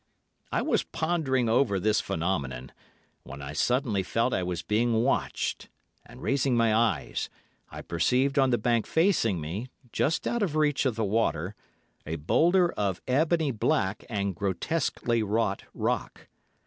"I was pondering over this phenomenon, when I suddenly felt I was being watched, and, raising my eyes, I perceived on the bank facing me, just out of reach of the water, a boulder of ebony black and grotesquely wrought rock.